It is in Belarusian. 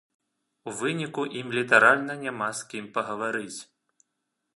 У выніку ім літаральна няма з кім пагаварыць.